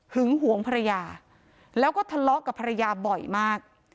หวงภรรยาแล้วก็ทะเลาะกับภรรยาบ่อยมาก